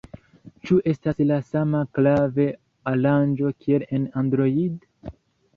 Ĉu estas la sama klav-aranĝo kiel en Android?